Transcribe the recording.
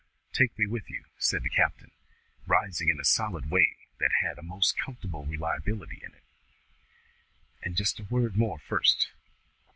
"Take me with you," said the captain, rising in a solid way that had a most comfortable reliability in it, "and just a word more first.